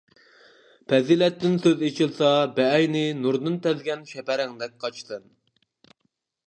پەزىلەتتىن سۆز ئېچىلسا، بەئەينى-نۇردىن تەزگەن شەپەرەڭدەك قاچىسەن.